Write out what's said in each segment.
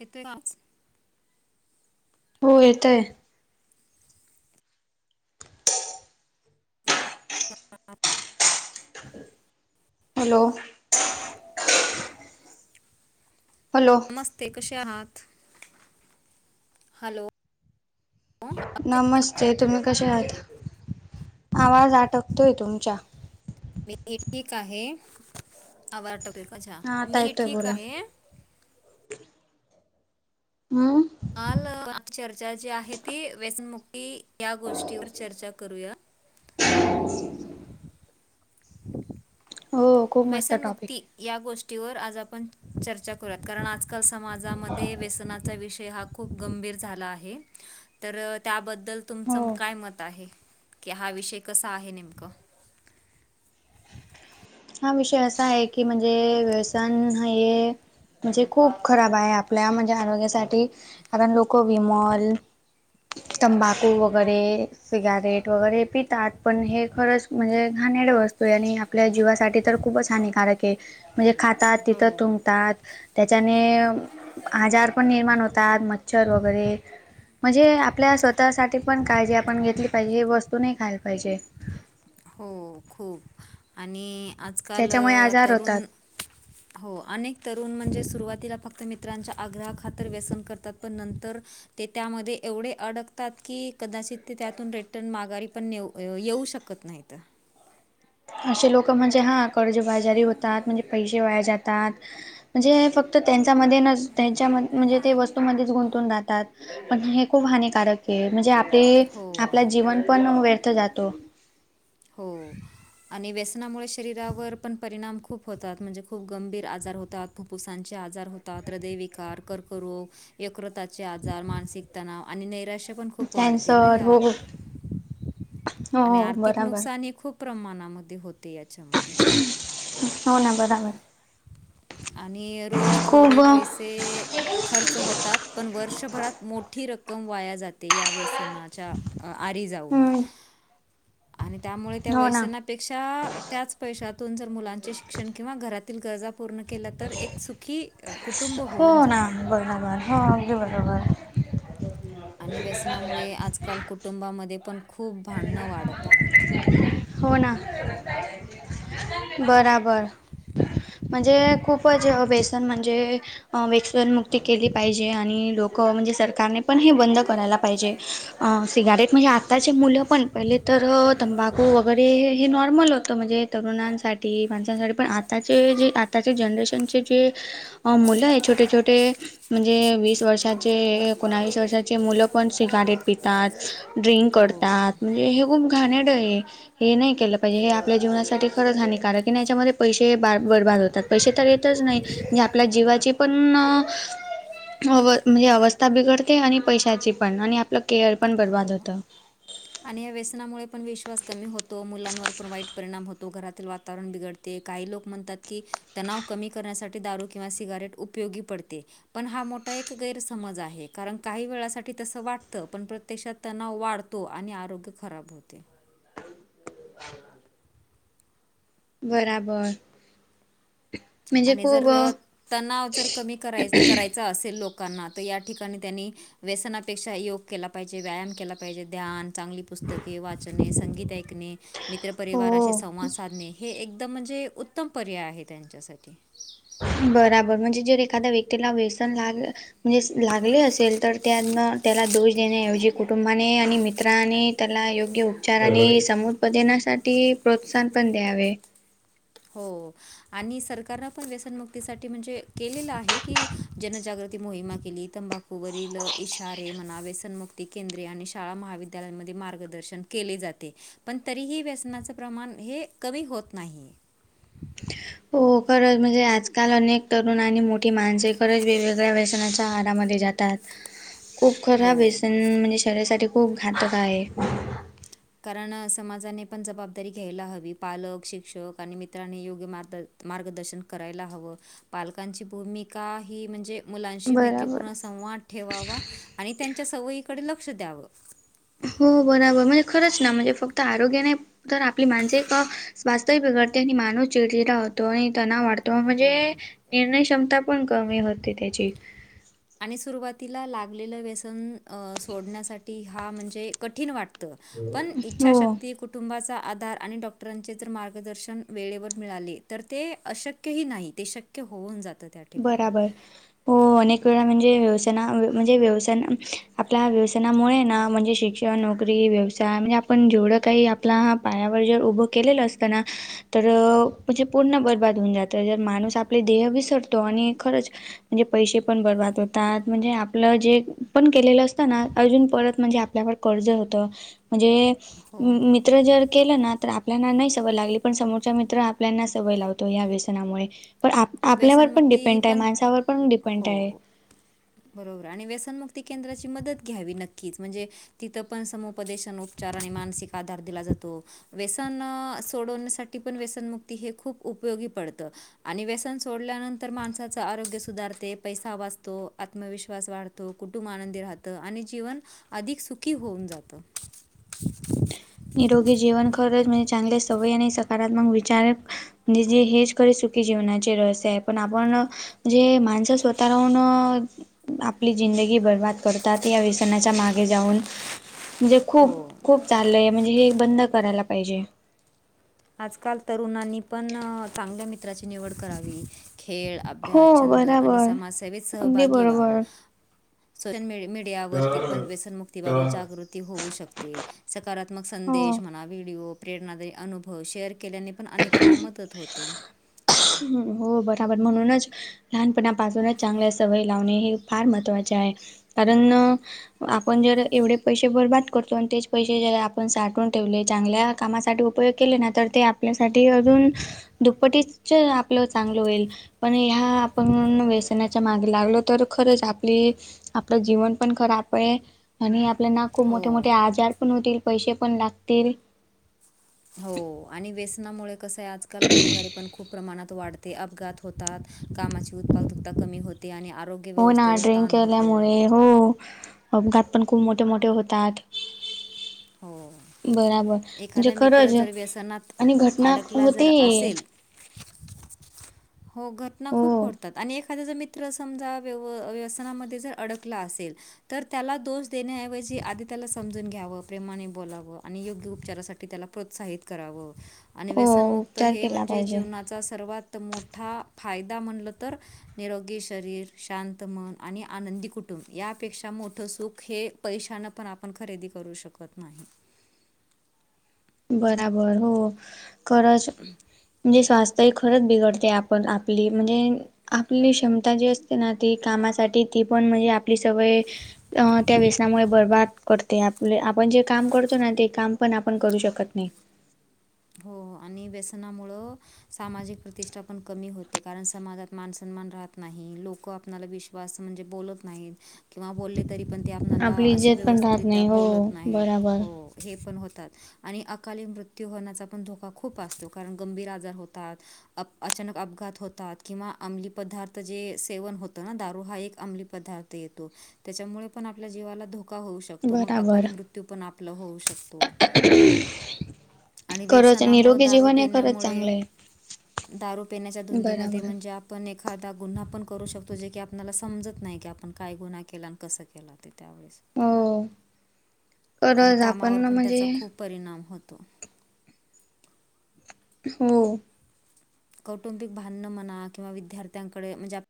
येतोय काय आवाज? हो येतय. [inaudible] हॅलो. हॅलो. नमस्ते कशे आहात? हॅलो नमस ते तुम्ही कशे आहात? आवाज अटकतोय तुमच्या. मी ठीक आहे आव आटप एकाच्या हा आता मी येतोय ठीक बोला. आहे. हम्म. आल चर्चा जी आहे ती व्यसनमुक्ती या गोष्टीवर चर्चा करूया. हो खूप मस्त टॉपिक व्यसनमुक्ती आहे. या गोष्टीवर आज आपण चर्चा करूयात कारण आजकाल समाजामध्ये व्यसनाचा विषय हा खूप गंभीर झाला आहे. तर त्याब बद्दल तुमचं हो काय मत आहे की हा विषय कसा आहे नेमकं? हा विषय असा आहे की म्हणजे व्यसन हाये. म्हणजे खूप खराब आहे आपल्या म्हणजे आरोग्यासाठी कारण लोक विमल तंबाकू वगैरे सिगारेट वगैरे हे पितात पण हे खरंच म्हणजे घाणेरड वस्तू आय आणि आपल्या जीवास साठी तर खूपच हानिकारक ए. म्हणजे खातात तिथं हो थुंकतात. त्याच्याने आजार पण निर्माण होतात मच्छर वगैरे म्हणजे हे आपल्या स्वतःसाठी पण काळजी आपण घेतली पाहिजे हे वस्तू नाय खायला पाहिजे. हो खूप आणि आजकाल त्याच्यामुळे आजार तरुण [inaudible] हो अनेक तरुण म्हणजे सुरुवातीला फक्त मित्रांच्या आग्रहा खातर व्यसन करतात पण नंतर ते त्यामध्ये एवढे अडकतात की कदाचित ते त्यातून रिटर्न माघारी पण येऊ शकत नायत. त. असे लोक म्हणजे हा कर्जबाजारी होतात म्हणजे पैसे वाया जातात. म्हणजे फक्त त्यांच्यामध्ये न त्यांच्या म्हणजे ते वस्तूमध्येच गुंतून राहतात. पण हे खूप हानिकारक ए म्हणजे आपले हो आपला जीवन पण व्यर्थ जातो. हो. आणि व्यसनामुळे शरीरावर पण परिणाम खूप होतात म्हणजे खूप गंभीर आजार होतात. फुप्फुसांचे आजार होतात हृदयविकार, कर्करोग एकक्रताचे आजार, मानसिक ताना आणि नैराश्य पण खूप वाढते ना कॅन्सर या हो हो आणि हो आर्थिक बराबर नुकसानई खूप प्रमाणामध्ये होते याच्यामध्ये. हो ना बराबर. आणि रोज खूप थोडे पैसे ते खर्च होतात पण वर्षभरात मोठी रक्कम वाया जाते या व्यसनात. च्या आरी जाऊन. हम्म आणि त्यामुळे त्या हो ना व्यसनापेक्षा त्याच पैशातून जर मुलांचे शी क्षण किंवा घरातील गरजा पूर्ण केल्या तर एक सुखी कुटुंब होऊन जातं. बराबर. हां [inaudible] आणि व्यसनामुळे आजकाल कुटुंबामध्ये पण खूप भांडणं वाढत आहेत. हो ना बराबर. म्हणजे खूपच वेसन म्हणजे अ वेक्सनमुक्ती केली पाहिजे आणि लोक म्हणजे सरकारने पण हे बंद करायला पाहिजे. अ सिगारेट म्हणजे आता चे मुलं पण पहिले तर तंबाखू वगैरे हे नॉर्मल होतं म्हणजे तरुणांसाठी ती माणसांसाठी पण आताचे जे आताचे जनरेशनचे जे अ मुलं आहे छोटे, छोटे म्हणजे वीस वर्षाचे, एकोणावीस वर्षाचे मुलं पण सिगारेट पितात. ड्रिंक हो करतात म्हणजे हे खूप घाणेड आहे. हे नाही केलं पाहिजे हे आपल्या जीवनासाठी खरंच हानी कारण की याच्यामध्ये पैसे ब बर्बाद होतात. पैसे तर येतच नाही म्हणजे आपल्या जीवाची पण अव म्हणजे अवस्था बिघडते आणि पैशाची पण आणि आपलं केअर पण बर्बाद हो होत. आणि या व्यसनामुळे पण विश्वास कमी होतो मुलांवर पण वाईट परिणाम होतो घरातील वातावरण बिघडत. ते काही लोक म्हणतात की तणाव कमी करण्यासाठी दारू किंवा सिगारेट उपयोगी पडते. पण हा मोठा एक गैरसमज आहे कारण काही वेळासाठी तस वाटतं पण प्र त्याशातत तणाव वाढतो आणि आरोग्य खराब होते. बराबर. म्हणजे आणि खूप जर तणाव जर कमी कराय करायचा असेल लोक करणार तर या ठिकाणी त्यांनी व्यसनापेक्षा योग केला पाहिजे, व्यायाम केला पाहिजे, ध्यान, चांगली पुस्तके वाचने संगीत ऐ मित्र पररिवाराशी हो संवाद साधणे हे एकदम म्हणजे उत्तम पर्याय आहे त्यांच्यासाठी. ओके बराबर म्हणजे जर एखाद्या व्यक्तीला व्यसन लाग म्हणजे लागले असेल तर त्यान त्याला दोष देण्याऐवजी कुटुंबाने आणि मित्राने त्याला योग्य उपचार आणि समत्पदनासाठी प्रोत्साहन पण द्यावे. हो आणि सरकारन पण व्यसनमुक्तीसाठी म्हणजे केलेलं आहे की जनजागृती मोहिमा केली तंबाखूवरील इशारे म्हनावे सनमुक्ती केंद्रीय आणि शाळा महाविद्यालयांमध्ये मार्गदर्शन केले जाते पण तरीही व्यसनाचं प्रमाण हे कमी होत नाही. हो खरंच म्हणजे आजकाल अनेक तरुण आणि मोठी माणसे खरंच वेगवेगळ्या व्याशना तहारामध्ये जातात. खूप हो खराब व्यसन म्हणजे शरीरासाठी खूप घातक आहे. कारण समाजाने पण जबाबदारी घ्यायला हवी पालक शिक्षक आणि मित्रांनी योग्य मार्ग मार्गदर्शन करायला हव पालकांची भूमिका ही म्हणजे. मुलांशी बराबर मैत्रीपूर्ण संवाद ठेवावा आणि त्यांच्या सवयीकडे लक्ष द्यावं. हो बरोबर म्हणजे खरंच ना म्हणजे फक्त आरोग्य नाही तर आपली माणस आहे का वास्तविक बिगडते आणि मानूस चिडचिडख होतो आणि तणाव वाढ तो म्हणजे हो निर्णय क्षमता पण कमी होती त्याची. आणि सुरुवातीला लागलेलं व्यसन सोडण्यासाठी हा म्हणजे कठीण वाटतो. पण हो. इच्छाशक्ती कुठ कुटुंबाचा आधार आणि डॉक्टरांचे जर मार्गदर्शन वेळेवर मिळाले तर ते अशक्यही नाही ते शक्य. होऊन जात. बराबर. हो अनेक वेळा म्हणजे व्यवसाना म्हणजे व्यवसान आपल्या व्यवसानामुळे ना म्हणजे शिक्ष किंवा नोकरी व्यवसाय म्हणजे आपण जेवढं काही आपला पायावर जर उभं केलेलं असतंना. तर म्हणजे पूर्ण बर्बाद होऊन जातं जर माणूस आपले देह विसरतो आणि खरच म्हणजे पैसे पण बर्बाद होतात. म्हणजे आपलं जे, पण केलेलं असतं ना. अजून परत म्हणजे आपल्यावर कर्ज होतं. म्हणजे हो मित्र जर केलं ना. तर आपल्याना नाही सवय लागली पण समोरच्या मित्र, आपल्याना सवय लावतो. या व्यसनामुळे. पण आप - आपल्यावर पण व्यसनमुक्ती डिपेंटय. पण माणसावर पण डिपेंटय. हो, बरोबर. आणि व्यसनमुक्ती केंद्राची मदत घ्यावी, नक्कीच. म्हणजे तिथं पण समुपदेशन, उपचार आणि मानसिक आधार दिला जातो. व्यसन, सोडवण्यासाठी पण व्यसनमुक्ती हे खूप उपयोगी पडत. आणि व्य सन सोडल्यानंतर, माणसाचं आरोग्य सुधारते. पैसा वाचतो. आत्मविश्वास वाढतो. कुटुंब आनंदी राहतं. आणि जीवन, अधिक सुखी होऊन जातं. [inaudible] निरोगी जीवन खरच म्हणजे, चांगले सवयी आणि सकारात्मक विचार म्हणजे हेच खरे, सुखी जीवनाचे रहस्य आहे. पण आपण जे माणसं स्वतः राहून आपली जिंदगी बर्बाद करतात. या व्यसनाच्या मागे जाऊन. म्हणजे खूप, हो, खूप चाललंय. म्हणजे, हे बंद करायला पाहिजे. आजकाल तरुणांनी पण, चांगल्या मित्राची निवड करावी. खेळ, अभ्यास, हो छंद आणि बराबर समाजसेवेत अगदी सहभागी व्हावं. बरोबर सोशल मीडियावरती ह पण, व्यसनमुक्तीबाबत ह जागृत ती होऊ शकते. सकारात्मक हो संदेश म्हणा. व्हिडिओ प्रेरणादायी अनुभव शेअर केल्याने पण, अनेकांना मदत होते. ह. हो बरोबर. म्हणूनच, लहानपणापासूनच चांगल्या सवय लावणे. हे फार महत्त्वा चे आहे. कारण, आपण जर एवढे पैसे बर्बाद करतो. अन् तेच पैसे ज आपण साठवून ठेवले. चांगल्या कामासाठी उपयोग केले ना. तर ते आपल्यासाठी अजून, दुप्पटी च आपलं चांगलं होईल. पण ह्या, आपण व्यसना त्याच्या मागे लागल. तर खरंच आपली, आपलं जीवन पण खराबय. आणि आपल्याना खूप हो मोठे - मोठे आजार पण होतील. पैसे पण लागतील. हो. आणि व्यसनामुळे कसंय. आजकाल गुन्हेगारी पण खूप प्रमाणात वाढते. अपघात होतात. कामाची उत्पादकता कमी होते. आणि आरोग्य हो, ना. व्यवस्थेवर ड्रिंक ताण होतो केल्यामुळे हो. अपघात पण खूप मोठे- मोठे होतात. हो बराबर. म्हणजे एखादा मित्र खरंज, जर व्यसनात आणि घटना अडकला जर होती असेल हो घटना हो खूप फोडतात. आणि एक त्याचा मित्र समजा, व्यव - व्यसनामध्ये जर, अडकला असेल तर त्याला दोष देण्याऐवजी, आधी त्याला समजून घ्यावं. प्रेमाने बोलावं. आणि योग्य उपचारासाठी त्याला प्रोत्साहित करावं. आणि हो व्यसनमुक्त उपचार हे केला म्हणजे, पाहिजे जीवनाचा सर्वात मोठ मोठा फायदा म्हणलं तर, निरोगी शरीर, शांत मन, आणि आनंदी कुटू टुंब. यापेक्षा मोठ सुख, हे पैशान पण आपण खरेदी करू शकत नाही. बराबर, हो. खरच म्हणजे स्वास्थ्य खरंच बिघडतय. आपण - आपली म्हणजे आपली क्षमता जी असते ना. ती कामासाठी ती पण म्हणजे, आपली सवय अ त्या व्यसनामुळे, बर्बाद करते. आपले, आपण जे काम करतो ना. ते काम पण आपण करू शक कत नाही. हो, हो. आणि व्यसनामुळं सामाजिक प्रतिष्ठा पण कमी होते. कारण समाजात मानसन्मान राहत नाही. लोक आपना ला विश् वा स म्हणजे बोलत नाही किंवा बोलले तरी पण ते आपणाला आपली असं इज्जत पण राहत व्यवस्थितरित्या नाही हो बोलत नाहीत. बराबर. हो. हे पण होतात आणि अकाली मृत्यू होण्याचा पण धोका खूप असतो. कारण गंभीर आजार होतात. अप अचानक अपघात होतात किंवा अंमली पदार्थ जे सेवन होतं ना दारू हा एक अंमली पदार्थ त येतो त्याच्यामुळे पण आपल्या जीवाला धोका होऊ शक शकतो. मग अकाली बराबर मृत्यू पण आपला होऊ शकतो. आणि खरंच व्यसनामुळ निरोगी दारू जीवन हे खरंच पिण्यामुळे चांगलं आहे दारू पिण्याच्या धुंदीमध्ये बराबर म्हणजे जे आपण एखादा गुन्हा पण करू शकतो जे की आपल्याला समजत नाही की आपण काय गुन्हा केला आणि कसं केला. ते त्यावेळेस हो खर आणि च कामावर आपण पण म्हणजे त्याचा खूप परिणाम होतो. हो. कौटुंबिक भांडण म्हणा किंवा विद्यार्थ्यांकडे म्हणजे आप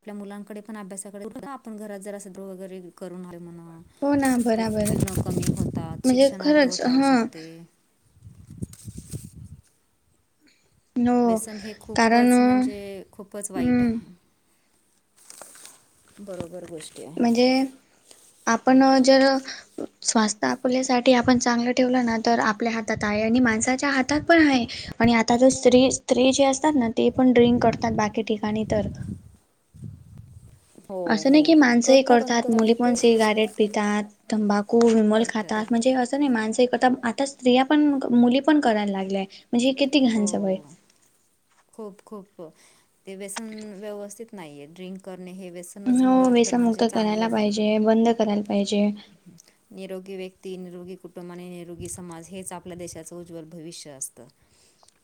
आपल्या मुलांकडे पण अभ्यासाकडे कुठ आपण घरात जर अस द्र वगैरे करून म्हणा हो ना तर बराबर पूर्ण कमी होतात म्हणजे शिक्षण खरंच अर्धवट राहू हा शकते. हो व्यसन हे कारण खूपच म्हणजे खूपच वाईट हम्म आहे. बरोबर गोष्टी आहेत. म्हणजे आपण जर स्वास्थ आपल्यासाठी आपण चांगलं ठेवलं ना तर आपल्या हातात आहे आणि माणसाच्या हातात पण आहे. आणि आता ज स्त्री -स्त्री जे असतात ना ते पण ड्रिंक करतात बाकी ठिकाणी तर. [inaudible] हो असं नाही हो. की माणसंही पण करतात कसं मुली आहे पण ते सिगारेट पितात तंबाखू विमल करतात खातात करतात म्हणजे अस- आता नाही माणसं ही करता आता स्त्रिया पण मुली पण करायला लागल्या आहेत. हो. खूप -खूप ते व्यसन व्यवस्थित नाहीये ड्रिंक करणे हे व्यसन हो वेसन मुक्त करायला पाहिजे. बंद करायला पाहिजे. [inaudible] निरोगी व्यक्ती निरोगी कुटुंब आणि निरोगी समाज हेच आपल्या देशाचं उज्ज्वल भविष्य असतं.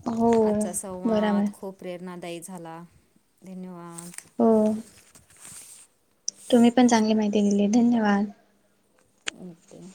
हो आजचा बराबर संवाद खूप प्रेरणादायी झाला धन्यवाद. होय. तुम्ही पण चांगली माहिती दिली धन्यवाद. आणि तेे